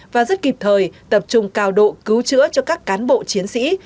và rất kịp thời tập trung cao độ cứu chữa cho các cán bộ chiến sĩ